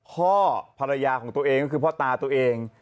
พ่อภรรยาของตัวเองก็คือพ่อตาตัวเอง